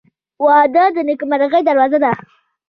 • واده د نیکمرغۍ دروازه ده.